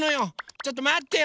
ちょっとまってよ！